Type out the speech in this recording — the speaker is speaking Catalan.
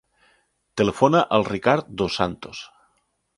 Telefona al Ricard Dos Santos.